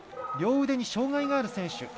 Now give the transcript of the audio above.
両腕に障がいのある選手